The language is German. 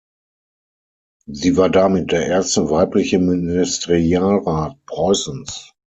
Sie war damit der erste weibliche Ministerialrat Preußens.